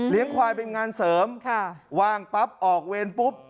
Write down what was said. ควายเป็นงานเสริมค่ะว่างปั๊บออกเวรปุ๊บ